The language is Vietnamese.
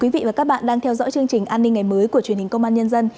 quý vị và các bạn đang theo dõi chương trình an ninh ngày mới của truyền hình công an nhân dân